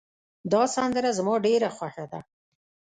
دا سندره زما ډېره خوښه ده